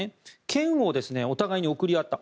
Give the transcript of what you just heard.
剣をお互いに贈り合った。